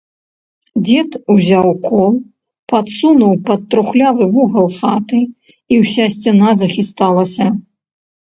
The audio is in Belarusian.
Дзед узяў кол, падсунуў пад трухлявы вугал хаты, і ўся сцяна захісталася.